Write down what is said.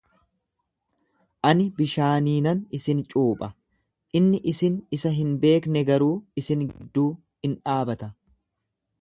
Ani bishaaniinan isin cuupha, inni isin isa hin beekne garuu isin gidduu in dhaabata.